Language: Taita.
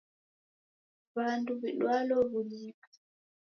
W'andu w'idwalo w'unyika